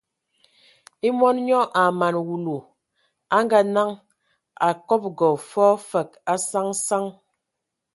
E mɔn nyɔ a mana wulu, a ngaa-naŋ, a kɔbɔgɔ fɔɔ fəg a saŋ saŋ saŋ.